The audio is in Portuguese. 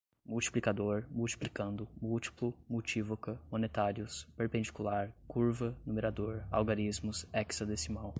multiplicador, multiplicando, múltiplo, multívoca, monetários, perpendicular, curva, numerador, algarismos, hexadecimal